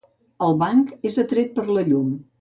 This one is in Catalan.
El banc és atret per la llum.